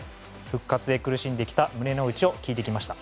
復活へ苦しんできた胸の内を聞いてきました。